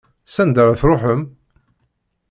S anda ara truḥem?